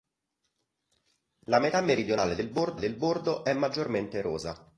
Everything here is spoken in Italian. La metà meridionale del bordo è maggiormente erosa.